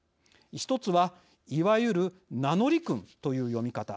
１つはいわゆる名乗り訓という読み方。